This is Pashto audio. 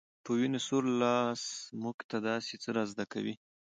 په وينو سور لاس موږ ته داسې څه را زده کوي